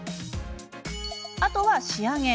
あとは仕上げ。